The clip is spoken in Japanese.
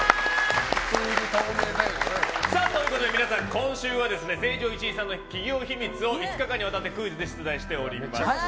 皆さん、今週は成城石井さんの企業秘密を５日間にわたってクイズで出題しております。